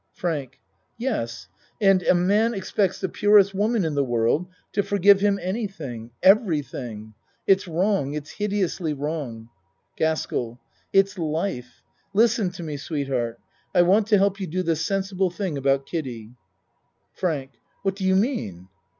FRANK Yes, and a man expects the purest wo man in the world to forgive him anything every thing. It's wrong. It's hideously wrong. GASKELL It's life. Listen to me, sweetheart. I want to help you do the sensible thing about Kiddie. FRANK What do you mean